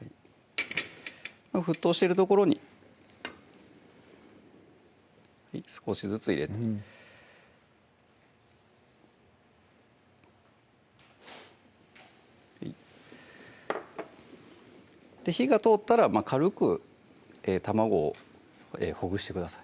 沸騰してるところに少しずつ入れて火が通ったら軽く卵をほぐしてください